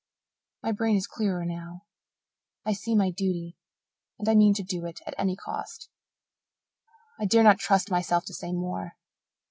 My brain is clearer now. I see my duty and I mean to do it at any cost. I dare not trust myself to say more.